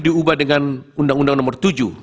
diubah dengan undang undang nomor tujuh